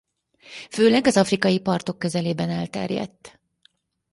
Főleg az afrikai partok közelében elterjedt.